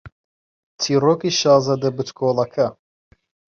چیرۆکی شازادە بچکۆڵەکە